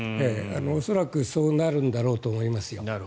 恐らくそうなるんだろうと思いますよ。